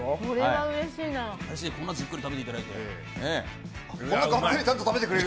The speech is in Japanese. うれしいじっくり食べていただいて。